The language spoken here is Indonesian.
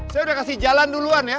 saya udah kasih jalan duluan ya